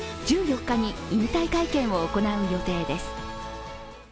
１４日に引退会見を行う予定です。